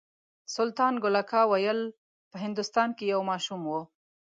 سلطان ګل اکا ویل په هندوستان کې یو ماشوم.